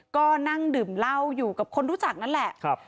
ก็นั่งดื่มเหล้าอยู่กับคนรู้จักนั่นแหละ